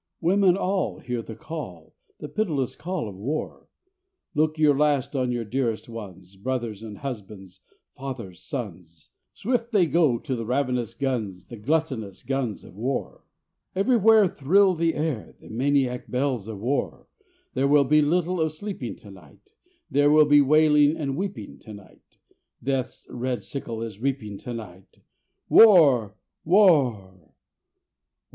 Women all, hear the call, The pitiless call of War! Look your last on your dearest ones, Brothers and husbands, fathers, sons: Swift they go to the ravenous guns, The gluttonous guns of War. Everywhere thrill the air The maniac bells of War. There will be little of sleeping to night; There will be wailing and weeping to night; Death's red sickle is reaping to night: War! War!